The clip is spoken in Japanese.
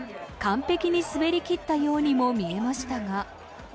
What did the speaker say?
完璧に滑り切ったようにも見えましたが。